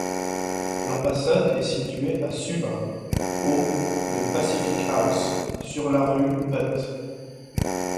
L'ambassade est située à Suva, au de Pacific House, sur la rue Butt.